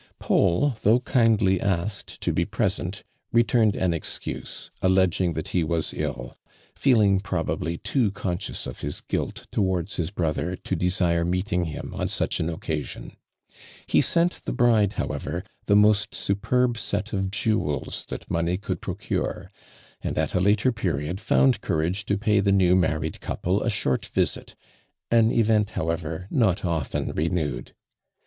Paul, though kindly asked to be present returned an excuse, alleging that he was ill, feeling probably too conscious of his guilt towards his brotlier to desire meeting hun on such an occasion. He sent titie bride, however, the most superb set of jewels that money could procure, and at a later period found courage to pay the new married couple a short visit, an event, how ever, not often renewed.